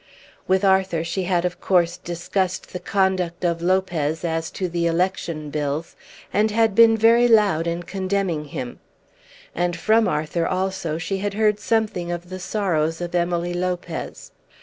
With Arthur she had of course discussed the conduct of Lopez as to the election bills, and had been very loud in condemning him. And from Arthur also she had heard something of the sorrows of Emily Lopez.